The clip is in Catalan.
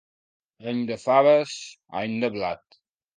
Any de faves, any de blat.